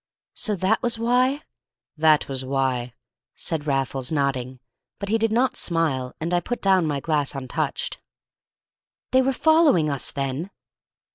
"So that was why—" "That was why," said Raffles, nodding; but he did not smile, and I put down my glass untouched. "They were following us then!"